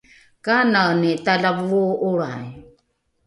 kanani talavoo’olrai?